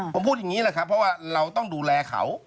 ผมพูดอย่างนี้แหละครับเพราะว่าเราต้องดูแลเขา